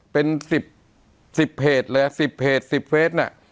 เป็นสิบสิบเพจเลยสิบเพจสิบเพจเนี้ย